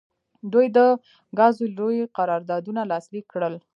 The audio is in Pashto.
دوی د ګازو لوی قراردادونه لاسلیک کړل.